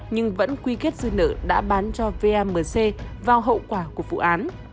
nhưng vẫn quy kết dư nợ đã bán cho vamc vào hậu quả của vụ án